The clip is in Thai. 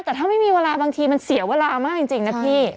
แต่ถ้าไม่มีเวลาบางทีมันเสียเวลามากจริงนะพี่